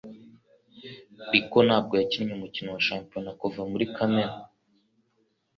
riko ntabwo yakinnye umukino wa shampionat kuva muri Kamena